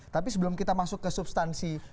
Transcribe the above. tapi sebelum kita masuk ke substansi